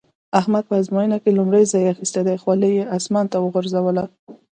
احمد په ازموينه کې لومړی ځای اخيستی دی؛ خولۍ يې اسمان ته وغورځوله.